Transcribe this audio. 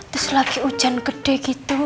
terus lagi hujan gede gitu